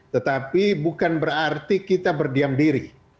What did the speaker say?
tetapi bukan berarti kita berdiam diri